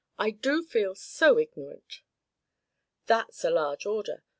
I do feel so ignorant." "That's a large order.